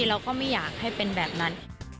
เราก็ไม่อยากให้เป็นแบบนั้น